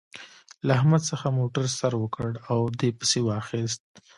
له احمد څخه موتر سر وکړ او دې پسې واخيست.